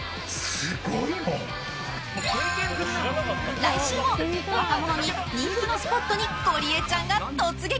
来週も若者に人気のスポットにゴリエちゃんが突撃。